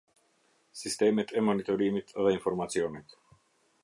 Sistemet £ monitorimit dhe informacionit.